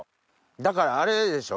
だからあれでしょ？